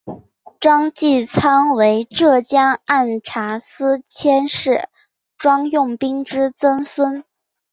庄际昌为浙江按察司佥事庄用宾之曾孙。